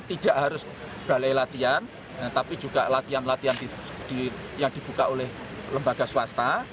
tidak harus balai latihan tapi juga latihan latihan yang dibuka oleh lembaga swasta